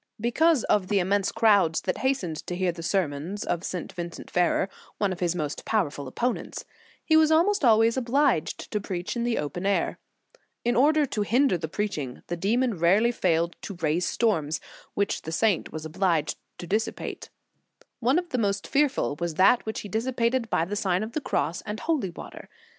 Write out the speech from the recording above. Because of the immense crowds that has tened to hear the sermons of St. Vincent Ferrer, one of his most powerful opponents, he was almost always obliged to preach in the open air. In order to hinder the preach ing, the demon rarely failed to raise storms, * S. Greg. Puron, De gloria confess,, c. xvii. 178 The Sign of the Cross which the saint was obliged to dissipate. One of the most fearful was that which he dissipa ted by the Sign of the Cross and holy water.